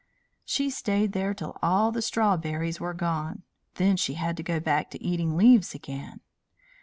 She stayed there till all the strawberries were gone; then she had to go back to eating leaves again.